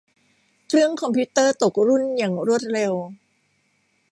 เครื่องคอมพิวเตอร์ตกรุ่นอย่างรวดเร็ว